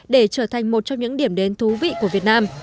để trở thành một trong những điểm đến thú vị của việt nam